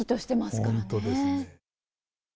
本当ですね。